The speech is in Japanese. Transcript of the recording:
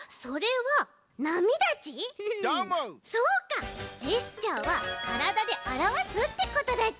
そうかジェスチャーはからだであらわすってことだち！